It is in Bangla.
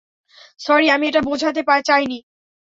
স্যরি, আমি এটা বোঝাতে চাইনি।